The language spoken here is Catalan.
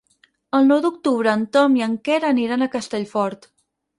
El nou d'octubre en Tom i en Quer aniran a Castellfort.